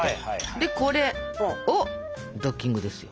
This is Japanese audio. でこれをドッキングですよ。